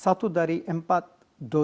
satu dari empat dosen yang bekerja di inggris ayo